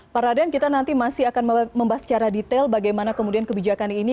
pak raden kita nanti masih akan membahas secara detail bagaimana kemudian kebijakan ini